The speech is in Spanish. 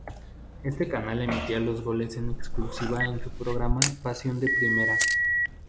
Este canal emitía los goles en exclusiva en su programa Pasión de primera.